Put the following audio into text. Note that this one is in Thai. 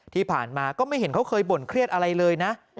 ที่ผ่านมาก็ไม่เห็นเขาเคยบ่นเครียดอะไรเลยนะ